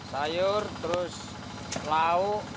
sayur terus lauk